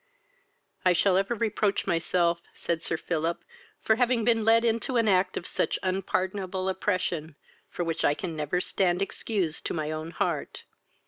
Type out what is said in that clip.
"I shall ever reproach myself, (said Sir Philip,) for having been led into an act of such unpardonable oppression, for which I can never stand excused to my own heart.